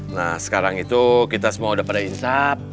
nah sekarang itu kita semua udah pada insap